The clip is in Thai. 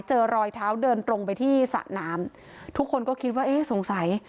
รอยเท้าเดินตรงไปที่สระน้ำทุกคนก็คิดว่าเอ๊ะสงสัย